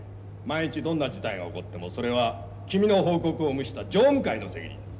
万一どんな事態が起こってもそれは君の報告を無視した常務会の責任だ。